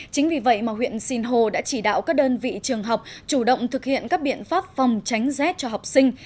chính vì vậy mà huyện sinh hồ đã chỉ đạo các đơn vị trường học chủ động thực hiện các biện pháp phòng tránh rét cho học sinh